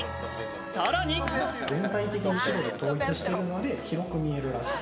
さらに、全体的に白で統一してるので広く見えるらしい。